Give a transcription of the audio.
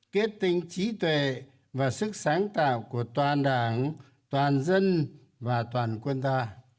kết tinh trí tuệ và sức sáng tạo của toàn đảng toàn dân và toàn quân ta